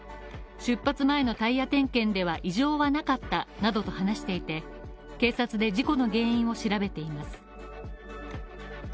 出発前のタイヤ点検では異常はなかったなどと話していて、警察で事故の原因を調べています。